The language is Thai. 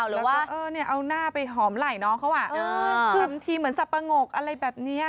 แล้วก็เอาน่าไปหอมไหล่น้องครับค่ะเขาอะทีมเป็นสับปะโงกอะไรแบบนี้